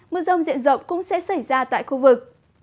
mưa rông diện rộng cũng sẽ xảy ra tại khu vực